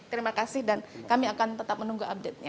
terima kasih dan kami akan tetap menunggu update nya